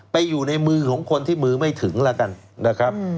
ไปอยู่ในมือของคนที่มือไม่ถึงแล้วกันนะครับ